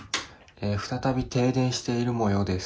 再び停電している模様です。